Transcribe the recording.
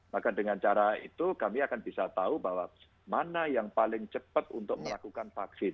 maka dengan cara itu kami akan bisa tahu bahwa mana yang paling cepat untuk melakukan vaksin